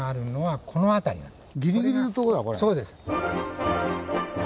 そうです。